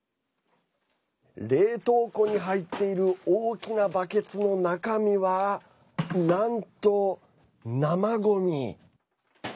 冷凍庫に入っている大きなバケツの中身はなんと、生ごみ。